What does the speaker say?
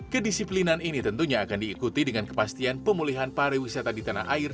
kedisiplinan ini tentunya akan diikuti dengan kepastian pemulihan pariwisata di tanah air